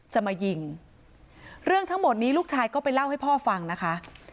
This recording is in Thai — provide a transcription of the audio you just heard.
จะมายิงเรื่องทั้งหมดนี้ลูกชายก็ไปเล่าให้พ่อฟังนะคะ